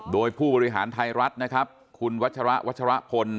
โดยผู้บริหารไทยรัฐนะครับคุณวัชระวัชรพล